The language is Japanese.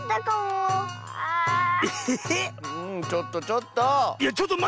ちょっとちょっと！